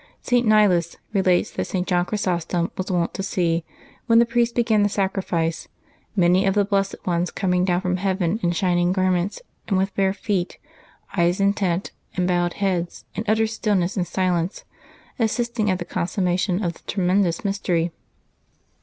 St. Nilus relates that St. John Chrysostom was wont to see, when the priest began the holy sacrifice, ^* many of the blessed ones coming down from heaven in shining garments, and with bare feet, eyes intent, and bowed heads, in utter stillness and silence, assisting at the consummation of the tremendous mys tery.